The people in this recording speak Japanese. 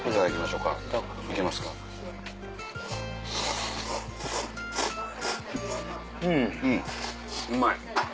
うんうまい。